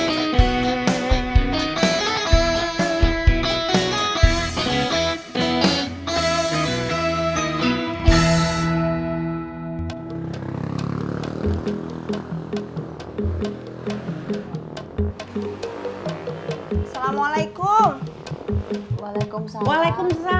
assalamualaikum waalaikumsalam waalaikumsalam